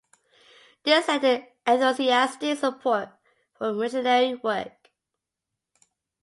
This led to an enthusiastic support for missionary work.